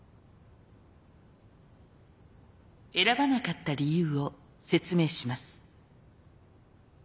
選ばなかった理由を説明します。